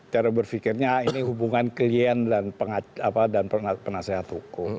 cara berpikirnya ini hubungan klien dan penasehat hukum